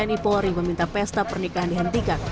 tni polri meminta pesta pernikahan dihentikan